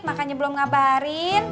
makanya belum ngabarin